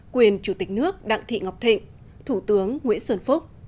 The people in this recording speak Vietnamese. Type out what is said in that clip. quyền chủ tịch nước đặng thị ngọc thịnh thủ tướng nguyễn xuân phúc